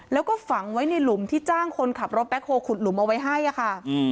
แล้วก็ฝังไว้ในหลุมที่จ้างคนขับรถแบ็คโฮลขุดหลุมเอาไว้ให้อะค่ะ